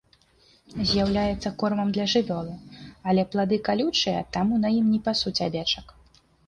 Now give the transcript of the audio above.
З'яўляецца кормам для жывёлы, але плады калючыя, таму на ім не пасуць авечак.